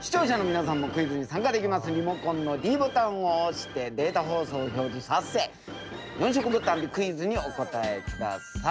リモコンのｄボタンを押してデータ放送を表示させ４色ボタンでクイズにお答え下さい。